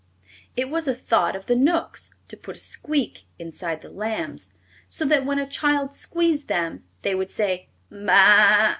It was a thought of the Knooks to put a squeak inside the lambs, so that when a child squeezed them they would say "baa a a a!"